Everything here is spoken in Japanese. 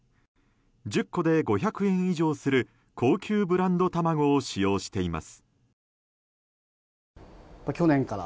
１０個で５００円以上する高級ブランド卵を使用しています。